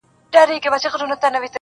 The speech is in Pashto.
هغه به کیږي چي لیکلي وي کاتب د ازل -